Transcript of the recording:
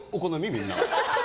みんなは。